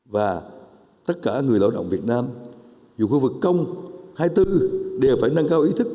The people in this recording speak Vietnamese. và tất cả người lao động việt nam dù khu vực công hai tư đều phải nâng cao ý thức